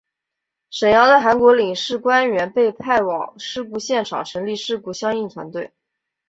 沈阳的韩国领事官员被派往事故现场成立事故相应团队。